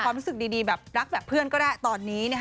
ความรู้สึกดีรักแบบเพื่อนก็ได้ตอนนี้